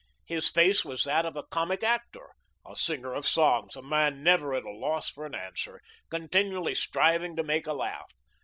His face was that of a comic actor, a singer of songs, a man never at a loss for an answer, continually striving to make a laugh.